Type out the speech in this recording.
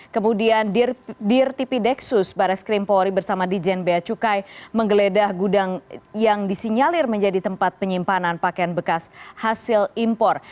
kemudian dirtipidexus barres krimpori bersama dijen beacukai menggeledah gudang yang disinyalir menjadi tempat penyimpanan pakaian bekas hasil impor